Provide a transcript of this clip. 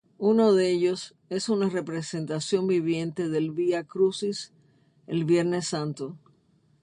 Uno de ellos, es una representación viviente del Vía Crucis, el Viernes Santo.